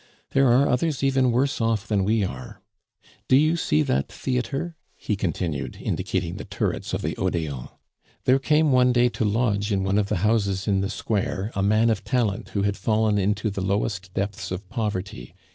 There are others even worse off than we are. Do you see that theatre?" he continued, indicating the turrets of the Odeon. "There came one day to lodge in one of the houses in the square a man of talent who had fallen into the lowest depths of poverty.